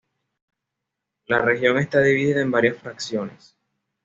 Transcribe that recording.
La región está dividida en varias facciones.